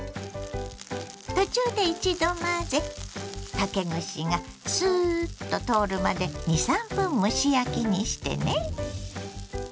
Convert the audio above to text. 途中で一度混ぜ竹串がスーッと通るまで２３分蒸し焼きにしてね。